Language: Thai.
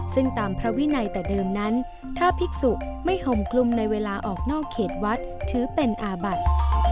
ซึ่งตามพระวินัยแต่เดิมนั้นถ้าภิกษุไม่ห่มคลุมในเวลาออกนอกเขตวัดถือเป็นอาบัติ